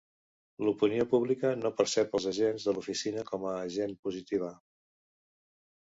L'opinió pública no percep els agents de l'Oficina com a gent positiva.